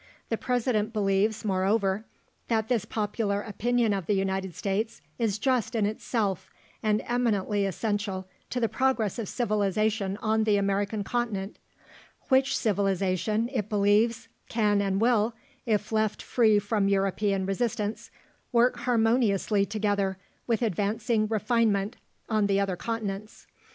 The President believes, moreover, that this popular opinion of the United States is just in itself, and eminently essential to the progress of civilisation on the American continent, which civilisation, it believes, can and will, if left free from European resistance, work harmoniously together with advancing refinement on the other continents....